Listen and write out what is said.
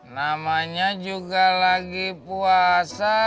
namanya juga lagi puasa